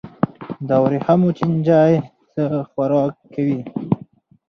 د وریښمو چینجی څه خوراک کوي؟